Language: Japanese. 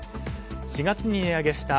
４月に値上げした